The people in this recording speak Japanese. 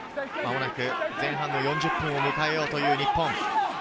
間もなく前半の４０分を迎えようという日本。